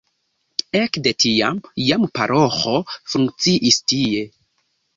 Ekde tiam jam paroĥo funkciis tie.